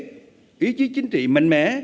tình đoàn kết ý chí chính trị mạnh mẽ